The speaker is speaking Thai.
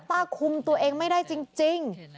คุมตัวเองไม่ได้จริง